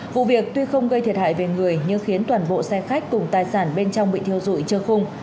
vụ việc tuy không gây thiệt hại về người nhưng khiến toàn bộ xe khách cùng tài sản bên trong bị thiêu dụi trơ khung